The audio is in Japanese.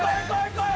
こい！